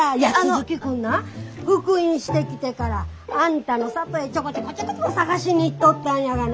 鈴木君な復員してきてからあんたの里へちょこちょこちょこちょこ捜しに行っとったんやがな。